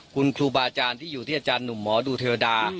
คุณครูบาอาจารย์ที่อยู่ที่อาจารย์หนุ่มหมอดูเทวดา